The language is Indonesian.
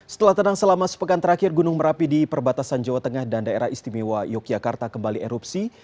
setelah tenang selama sepekan terakhir gunung merapi di perbatasan jawa tengah dan daerah istimewa yogyakarta kembali erupsi